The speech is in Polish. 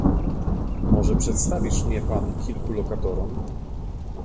"Może przedstawisz mnie pan kilku lokatorom."